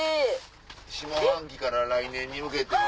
下半期から来年に向けて。